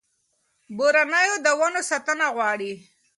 بورنېو د ونو ساتنه غواړي.